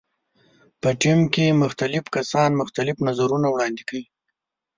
په ټیم کې مختلف کسان مختلف نظرونه وړاندې کوي.